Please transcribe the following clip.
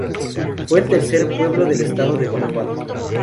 Fue el tercer pueblo del Estado de Guanajuato.